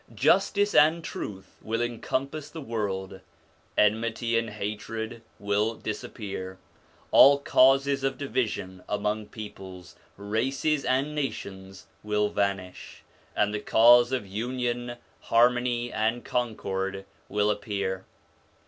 Justice and truth will encompass the world, enmity and hatred will disappear, all causes of division among peoples, races, and nations will vanish, and the cause of union, harmony, and con cord will appear.